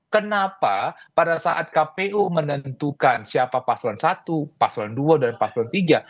kenapa pada saat kpu menentukan siapa pak solon i pak solon ii dan pak solon iii